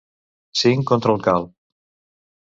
Cinc contra el calb.